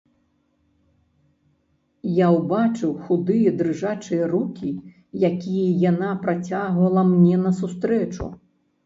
Я ўбачыў худыя дрыжачыя рукі, якія яна працягвала мне насустрэчу.